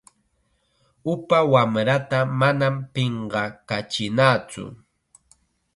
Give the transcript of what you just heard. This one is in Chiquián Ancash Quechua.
Upa wamrata manam pinqakachinatsu.